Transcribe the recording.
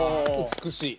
美しい！